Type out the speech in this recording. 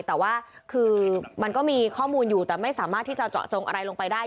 แต่ว่าคือมันก็มีข้อมูลอยู่แต่ไม่สามารถที่จะเจาะจงอะไรลงไปได้